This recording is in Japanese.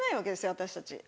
私たち。